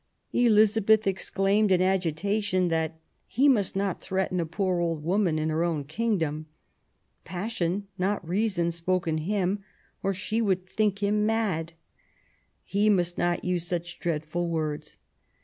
Elizabeth exclaimed in agitation that '' he must not threaten a poor old woman in her own kingdom. Passion, not reason, spoke in him, or she would think him mad. He must not use such dreadful words.